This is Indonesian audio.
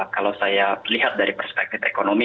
kalau saya lihat dari perspektif ekonomi